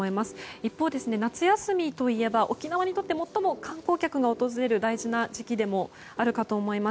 一方、夏休みといえば沖縄にとって最も観光客が訪れる大事な時期だと思います。